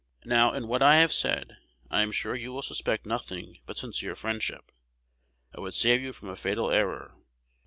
Now, in what I have said, I am sure you will suspect nothing but sincere friendship. I would save you from a fatal error.